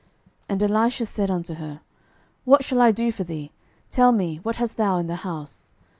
12:004:002 And Elisha said unto her, What shall I do for thee? tell me, what hast thou in the house?